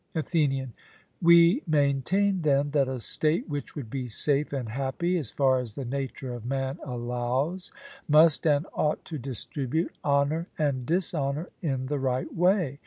ATHENIAN: We maintain, then, that a State which would be safe and happy, as far as the nature of man allows, must and ought to distribute honour and dishonour in the right way.